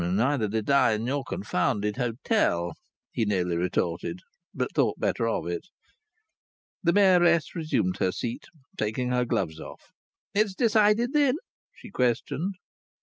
"Neither did I, in your confounded hotel!" he nearly retorted; but thought better of it. The Mayoress resumed her seat, taking her gloves off. "It's decided then?" she questioned.